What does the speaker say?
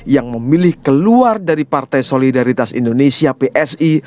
yang memilih keluar dari partai solidaritas indonesia psi